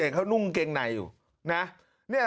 เดี๋ยวครูหุ้นผู้ชมโน้มเกงไหนอยู่นะนนกลางอยู่เนี่ยครับ